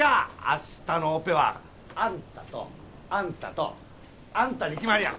明日のオペはあんたとあんたとあんたに決まりや！